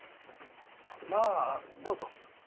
まあどうぞ。